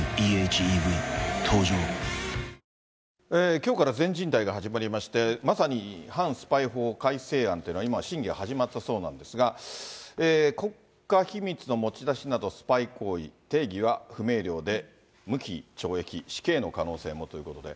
きょうから全人代が始まりまして、まさに反スパイ法改正案っていうのが今審議が始まったそうなんですが、国家秘密の持ち出しなど、スパイ行為、定義は不明瞭で、無期懲役、死刑の可能性もということで。